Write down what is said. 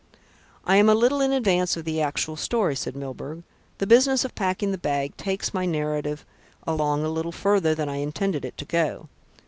"I am a little in advance of the actual story," said Milburgh. "The business of packing the bag takes my narrative along a little farther than I intended it to go.